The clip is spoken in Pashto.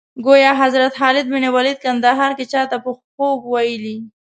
ګویا حضرت خالد بن ولید کندهار کې چا ته په خوب ویلي.